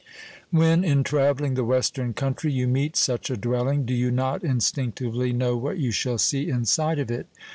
When, in travelling the western country, you meet such a dwelling, do you not instinctively know what you shall see inside of it?